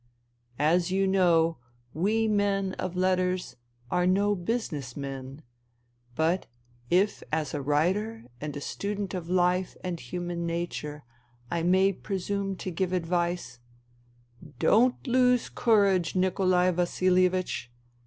As you know, we men of letters are no business men, but if as a writer and a student of life and human nature I may presume to give advice : don't lose courage, Nikolai Vasilievich.